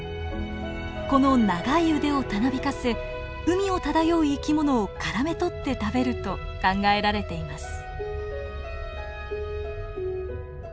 この長い腕をたなびかせ海を漂う生き物をからめとって食べると考えられています。